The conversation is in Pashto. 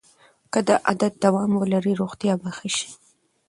که دا عادت دوام وکړي روغتیا به ښه شي.